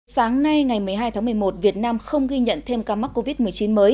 sáng nay ngày một mươi hai tháng một mươi một việt nam không ghi nhận thêm ca mắc covid một mươi chín mới